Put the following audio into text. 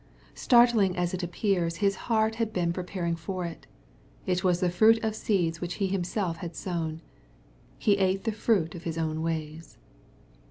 Startling as it appears, his heart had been pre paring for it. It was the fruit of seeds which he himself had sown. " He ate the fruit of his own ways."